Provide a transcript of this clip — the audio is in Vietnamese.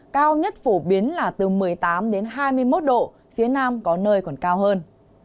cao nhất phổ biến là từ một mươi tám đến hai mươi một độ phía nam có nơi còn cao hơn